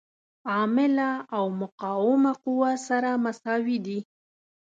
عامله او مقاومه قوه سره مساوي دي.